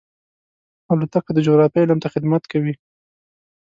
الوتکه د جغرافیې علم ته خدمت کوي.